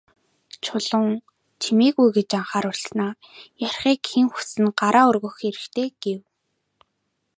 Чулуун «Чимээгүй» гэж анхааруулснаа "Ярихыг хэн хүснэ, гараа өргөх хэрэгтэй" гэв.